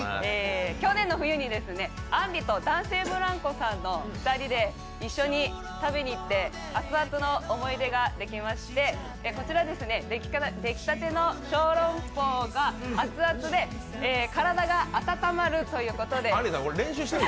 去年の冬にあんりと男性ブランコさんの２人で一緒に食べに行って熱々の思い出ができまして、こちら出来たての小籠包が熱々で、体が温まるということであんりさん、これ、練習してる？